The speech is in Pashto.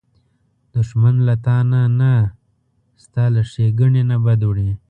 دښمن له تا نه، ستا له ښېګڼې نه بد وړي